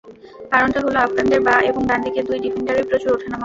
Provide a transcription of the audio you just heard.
কারণটা হলো, আফগানদের বাঁ এবং ডানদিকের দুই ডিফেন্ডারই প্রচুর ওঠানামা করেন।